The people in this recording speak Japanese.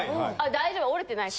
大丈夫折れてない。